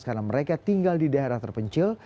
karena mereka tinggal di daerah terpencil